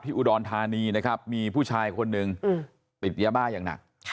อุดรธานีนะครับมีผู้ชายคนหนึ่งติดยาบ้าอย่างหนัก